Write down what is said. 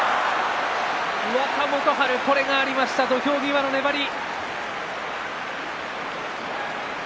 若元春これがありました土俵際の粘り。